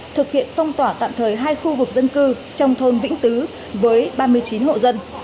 thực hiện phong tỏa tạm thời hai khu vực dân cư trong thôn vĩnh tứ với ba mươi chín hộ dân